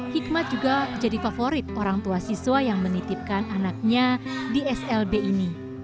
hikmat juga jadi favorit orang tua siswa yang menitipkan anaknya di slb ini